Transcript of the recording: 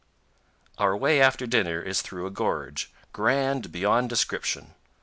Our way after dinner is through a gorge, grand beyond description.